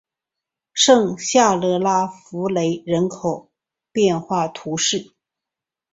圣夏勒拉福雷人口变化图示